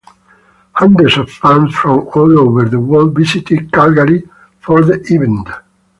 Hundreds of fans from all over the world visited Calgary for the event.